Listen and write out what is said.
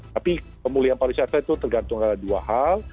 tapi pemulihan pariwisata itu tergantung ada dua hal